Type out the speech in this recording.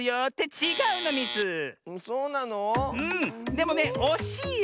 でもねおしいよ